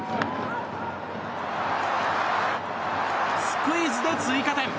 スクイズで追加点。